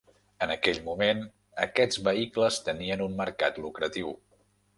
En aquell moment, aquests vehicles tenien un mercat lucratiu.